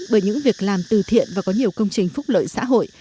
bởi những việc làm từ thiện và có nhiều công trình phúc lợi xã hội